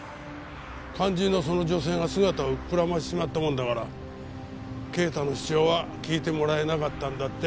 肝心のその女性が姿をくらましちまったもんだから啓太の主張は聞いてもらえなかったんだって。